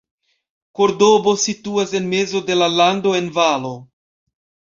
Kordobo situas en mezo de la lando en valo.